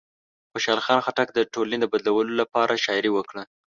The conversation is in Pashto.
خوشحال خان خټک د ټولنې د بدلولو لپاره شاعري وکړه.